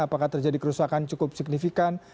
apakah terjadi kerusakan cukup signifikan